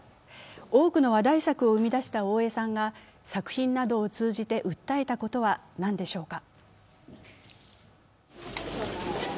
多くの話題作を生み出した大江さんが作品などを通じて訴えたことは何でしょうか。